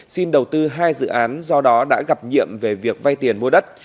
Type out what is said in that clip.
xin đầu tư hai dự án do đó đã gặp nhiệm về việc vay tiền mua đất